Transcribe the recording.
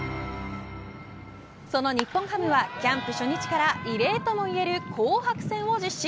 その日本ハムはキャンプ初日から異例ともいえる紅白戦を実施。